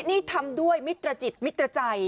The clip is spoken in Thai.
นี่ทำด้วยมิตรจิตมิตรใจ